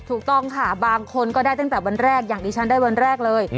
ถูกต้องค่ะบางคนก็ได้ตั้งแต่วันแรกอย่างที่ฉันได้วันแรกเลย